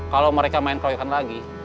kalau mereka main proyekan lagi